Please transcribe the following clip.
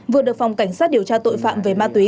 vừa được phòng cảnh sát điều tra tội phạm về ma túy